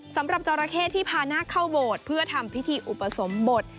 สำหรับจราเข้ที่พาหน้าเข้าโบสถ์เพื่อทำพิธีอุปสมบท